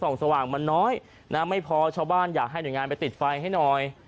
น้ำไม่พอชาวบ้านอยากให้หน่วยงานไปติดไฟให้หน่อย